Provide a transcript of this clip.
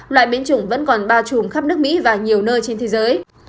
loại biến chủng vẫn còn bao trùm khắp nước mỹ và nhiều nơi trên thế giới